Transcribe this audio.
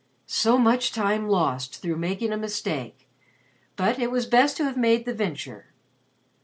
So much time lost through making a mistake but it was best to have made the venture.